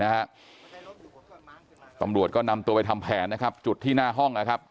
ตำรวจก็นำตัวไปทำแผนนะครับจุดที่หน้าห้องนะครับ